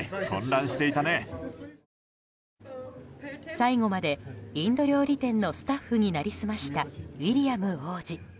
最後までインド料理店のスタッフに成り済ましたウィリアム王子。